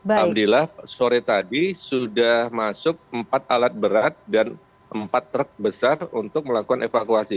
alhamdulillah sore tadi sudah masuk empat alat berat dan empat truk besar untuk melakukan evakuasi